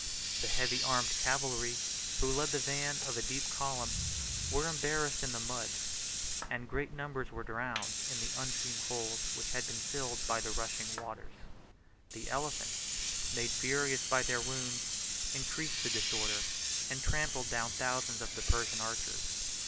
The heavy armed cavalry, who led the van of a deep column, were embarrassed in the mud, and great numbers were drowned in the unseen holes which had been filled by the rushing waters. The elephants, made furious by their wounds, increased the disorder, and trampled down thousands of the Persian archers.